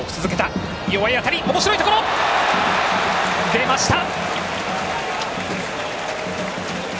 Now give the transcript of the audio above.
出ました！